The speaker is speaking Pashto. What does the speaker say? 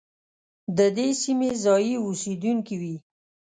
د دې سیمې ځايي اوسېدونکي وي.